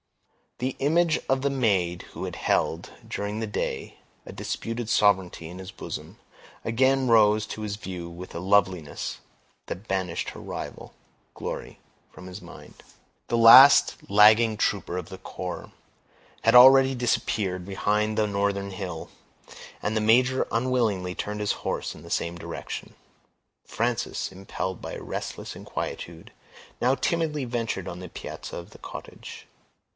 The image of the maid who had held, during the day, a disputed sovereignty in his bosom, again rose to his view with a loveliness that banished her rival, glory, from his mind. The last lagging trooper of the corps had already disappeared behind the northern hill, and the major unwillingly turned his horse in the same direction. Frances, impelled by a restless inquietude, now timidly ventured on the piazza of the cottage.